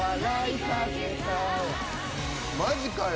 マジかよ。